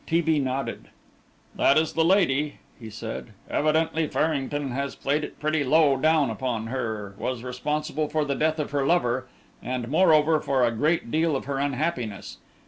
T. B. nodded. "That is the lady," he said. "Evidently Farrington has played it pretty low down upon her; was responsible for the death of her lover, and, moreover, for a great deal of her unhappiness.